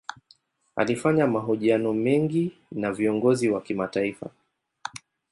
Alifanya mahojiano mengi na viongozi wa kimataifa.